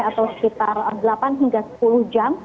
atau sekitar delapan hingga sepuluh jam